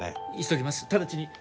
急ぎます直ちに！